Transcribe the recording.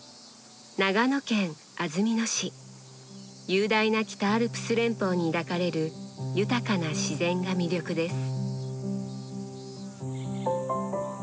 雄大な北アルプス連峰に抱かれる豊かな自然が魅力です。